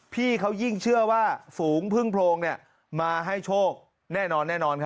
พี่เขายิ่งเชื่อว่าฝูงพึ่งโพรงมาให้โชคแน่นอนแน่นอน